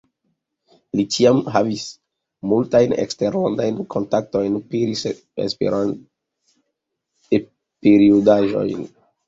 Li ĉiam havis multajn eksterlandajn kontaktojn, peris E-periodaĝojn.